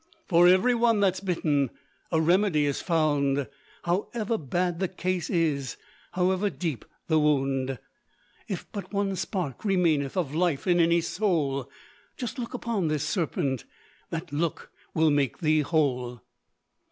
For every one that's bitten, A remedy is found; However bad the case is, However deep the wound. If but one spark remaineth Of life in any soul, Just look upon this serpent, That look will make thee whole.